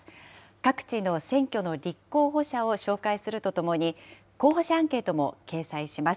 各地の選挙の立候補者を紹介するとともに、候補者アンケートも掲載します。